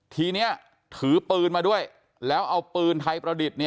ทีนี้ถือปืนมาด้วยแล้วเอาปืนไทยประดิษฐ์